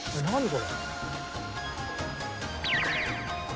これ。